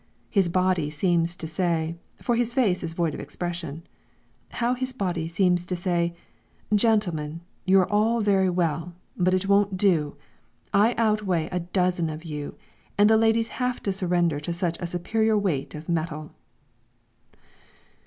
How his body seems to say for his face is void of expression; how his body seems to say; "gentlemen, you're all very well, but it won't do; I out weigh a dozen of you, and the ladies have to surrender to such a superior weight of metal."